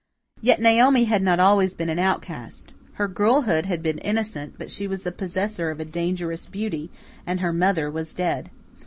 Yet Naomi had not always been an outcast. Her girlhood had been innocent; but she was the possessor of a dangerous beauty, and her mother was dead.